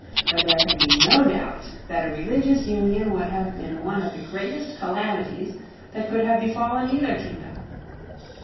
But there can be no doubt that a religious union would have been one of the greatest calamities that could have befallen either kingdom.